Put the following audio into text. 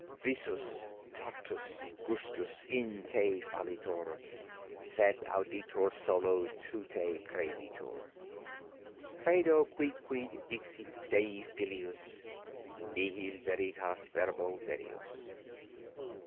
Visus, tactus, gustus, in te fallitur, Sed auditu solo tute creditur: Credo quidquid dixit Dei filius Nihil veritatis verbo verius.